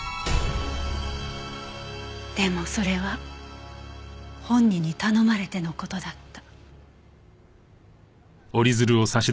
でもそれは本人に頼まれての事だった。